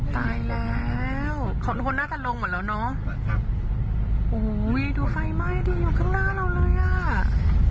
มันแรงจ้อนน่ากลัวฟัยแบบโอ้โหโหน่ากลัวมาก